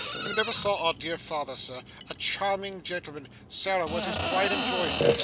You never saw our dear father, sir? A charming gentleman. Sarah was his pride and joy, sir.